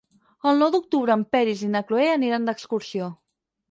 El nou d'octubre en Peris i na Cloè aniran d'excursió.